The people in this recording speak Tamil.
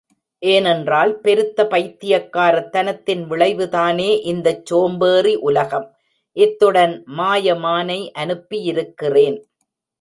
ஏனென்றால் பெருத்த பைத்தியக்காரத்தனத்தின் விளைவுதானே இந்தச் சோம்பேறி உலகம்! இத்துடன் மாயமானை அனுப்பியிருக்கிறேன்.